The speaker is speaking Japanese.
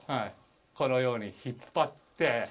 このように引っ張って。